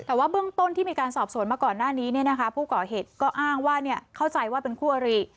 แต่ว่าเบื้องต้นที่มีการสอบสวนมาก่อนหน้านี้ผู้ก่อเหตุก็อ้างว่าเข้าใจว่าเป็นคู่อริ